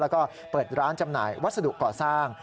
แล้วก็เปิดร้านจำหน่ายวัสดุก่อสร้าง